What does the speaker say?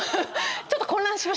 ちょっと混乱しました今。